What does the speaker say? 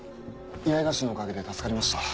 八重樫のおかげで助かりました。